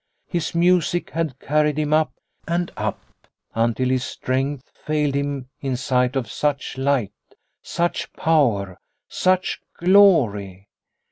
His music had carried him up and up, until his strength failed him in sight of such light, such power, such glory.